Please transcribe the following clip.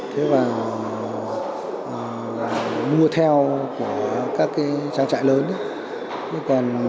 thế và mua theo của các trang trại lớn